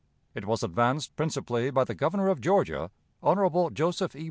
It was advanced principally by the Governor of Georgia, Hon. Joseph E.